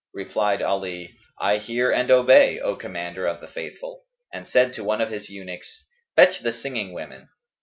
Replied Ali, "I hear and obey, O Commander of the Faithful," and said to one of his eunuchs, "Fetch the singing women."